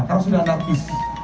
karena sudah narkis